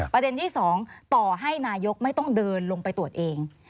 ประเด็นที่๒ต่อให้นายกไม่ต้องเดินลงไปตรวจเอง